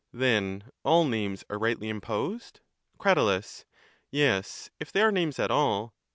Then all names are rightly imposed? Crat. Yes, if they are names at all.